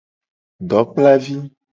Dokplavi.